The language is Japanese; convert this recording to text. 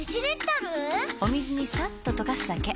お水にさっと溶かすだけ。